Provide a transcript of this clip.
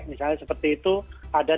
misalnya seperti itu ada